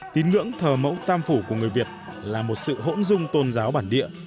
tín ngưỡng thờ mẫu tam phủ của người việt là một sự hỗn dung tôn giáo bản địa